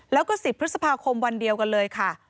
แล้วก็๑๐พฤษภาคมวันเดียวกันเลยค่ะ